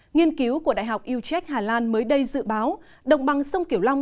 nghiên cứu của đại học utrecht hà lan mới đây dự báo đồng bằng sông kiểu long